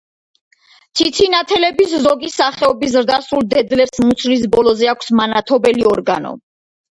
ციცინათელების ზოგი სახეობის ზრდასრულ დედლებს მუცლის ბოლოზე აქვს მანათობელი ორგანო.